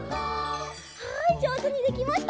はいじょうずにできました！